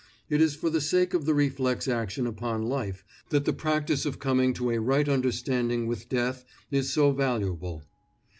It is for the sake of the reflex action upon life that the practice of coming to a right understanding with death is so valuable.